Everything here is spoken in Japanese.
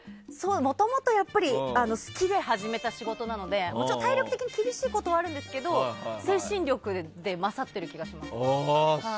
もともと好きで始めた仕事なのでもちろん体力的に厳しいことはあるんですけど、精神力で勝ってる気がします。